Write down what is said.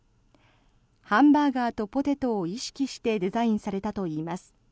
ハンバーガーとポテトを意識してデザインされたといいます。